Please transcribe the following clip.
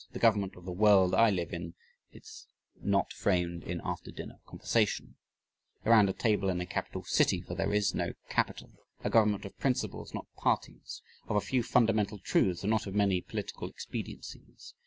"The government of the world I live in is not framed in after dinner conversation" around a table in a capital city, for there is no capital a government of principles not parties; of a few fundamental truths and not of many political expediencies.